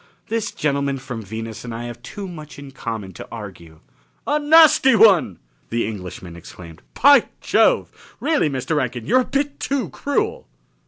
"This gentleman from Venus and I have too much in common to argue." "A nasty one!" the Englishman exclaimed. "By Jove! Really, Mr. Rankin, you're a bit too cruel!"